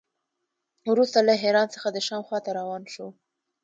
وروسته له حران څخه د شام خوا ته روان شو.